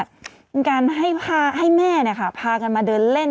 เป็นการให้แม่พากันมาเดินเล่น